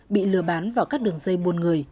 bị lừa bán vào các đường dây muôn người